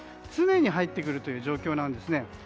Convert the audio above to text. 常に入ってくるという状況なんですね。